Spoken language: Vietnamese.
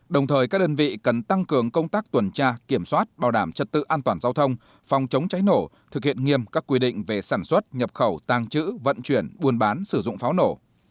đồng thời các đơn vị cần tăng cường công tác tuần tra kiểm soát bảo đảm trật tự an toàn giao thông phòng chống cháy nổ thực hiện nghiêm các quy định về sản xuất nhập khẩu tàng trữ vận chuyển buôn bán sử dụng pháo nổ